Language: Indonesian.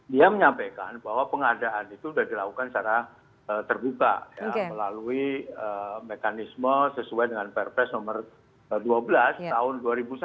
dia menyampaikan bahwa pengadaan itu sudah dilakukan secara terbuka melalui mekanisme sesuai dengan perpres nomor dua belas tahun dua ribu satu